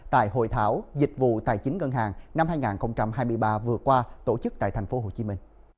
tại hội thảo dịch vụ tài chính ngân hàng năm hai nghìn hai mươi ba vừa qua tổ chức tại tp hcm